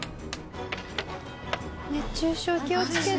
熱中症気をつけて。